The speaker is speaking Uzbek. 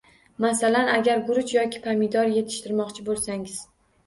Masalan, agar guruch yoki pomidor yetishtirmoqchi bo‘lsangiz